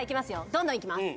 どんどんいきます